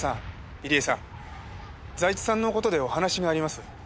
入江さん財津さんの事でお話があります。